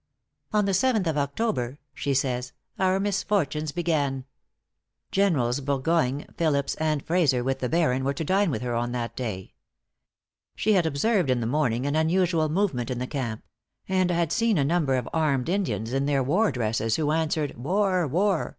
"On the seventh of October," she says, "our misfortunes began." Generals Burgoyne, Phillips, and Frazer, with the Baron, were to dine with her on that day. She had observed in the morning an unusual movement in the camp; and had seen a number of armed Indians in their war dresses, who answered "War! war!"